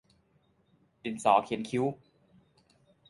ดินสอเขียนคิ้ว